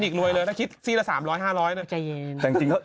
คีนิกนวยเลยด้วยถ้าคิดซีสาบแบบ๓๐๐๕๐๐